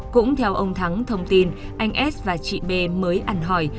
cũng theo ông thắng thông tin anh s và chị b mới ăn hỏi